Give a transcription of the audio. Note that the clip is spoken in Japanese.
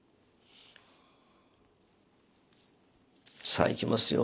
さあいきますよ。